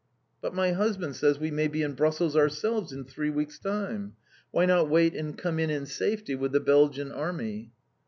"But my husband says we may be in Brussels ourselves in three weeks' time: Why not wait and come in in safety with the Belgian Army!"